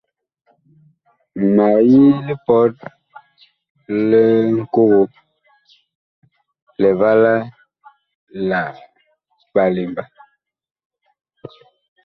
Mag yi lipɔt li Ŋkogo, Livala la Ɓalemba.